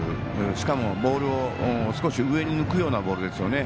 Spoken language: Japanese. しかも、ボールを少し上に抜くようなボールですよね。